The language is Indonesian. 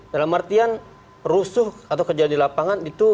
dalam artian rusuh atau kerja di lapangan itu